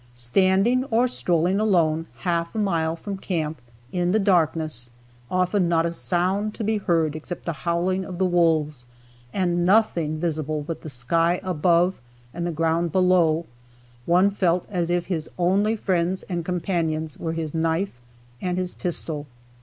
Standing or strolling alone, half a mile from camp, in the darkness, often not a sound to be heard except the howling of the wolves, and nothing visible but the sky above and the ground below, one felt as if his only friends and companions were his knife and his pistol.